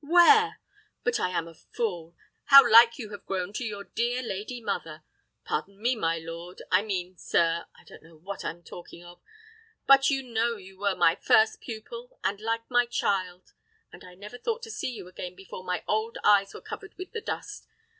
where? But I am a fool; how like you have grown to your dear lady mother! Pardon me, my lord I mean, sir I don't know what I'm talking of. But you know you were my first pupil, and like my child; and I never thought to see you again before my old eyes were covered with the dust.